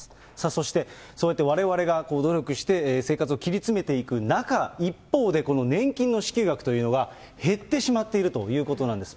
そして、そうやってわれわれが努力して、生活を切り詰めていく中、一方で、この年金の支給額というのは減ってしまっているということなんです。